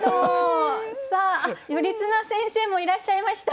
さあ頼綱先生もいらっしゃいました。